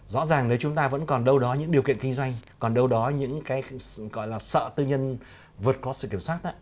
rõ ràng nếu chúng ta vẫn còn đâu đó những điều kiện kinh doanh còn đâu đó những cái gọi là sợ tư nhân vượt có sự kiểm soát đó